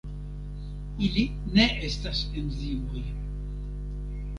Ili ne estas enzimoj.